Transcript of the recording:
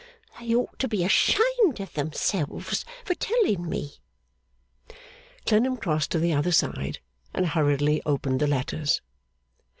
They ought to be ashamed of themselves for telling me.' Clennam crossed to the other side, and hurriedly opened the letters.